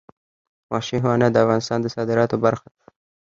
وحشي حیوانات د افغانستان د صادراتو برخه ده.